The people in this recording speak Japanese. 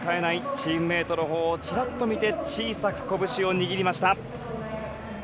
チームメートのほうチラッと見て小さく拳を握りました。